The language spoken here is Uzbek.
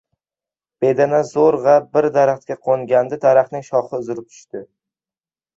• Bedana zo‘rg‘a bir marta daraxtga qo‘ngandi, daraxtning shoxi uzilib tushdi.